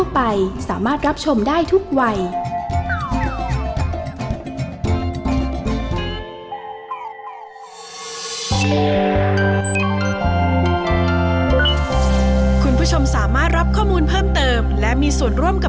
บริการับมาบบบบบกันอีกแล้วค่ะ